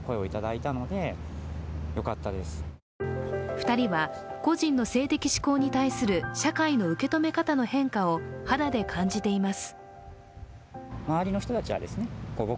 ２人は個人の性的指向に対する社会の受け止め方の変化を肌で感じています。